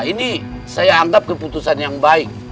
ini saya anggap keputusan yang baik